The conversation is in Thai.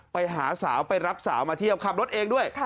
ไปหาสาวไปรับสาวมาเที่ยวขับรถเองด้วย